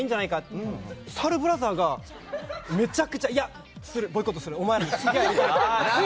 でも、サルブラザーがめちゃくちゃ、いやボイコットする！って。